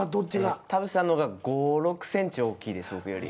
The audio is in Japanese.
田臥さんの方が５６ｃｍ大きいです僕より。